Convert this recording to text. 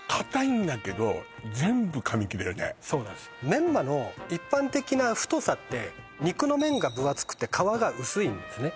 メンマの一般的な太さって肉の面が分厚くて皮が薄いんですね